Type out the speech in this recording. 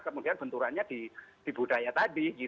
kemudian benturannya di budaya tadi